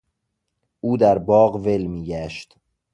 او در باغ ول میگشت.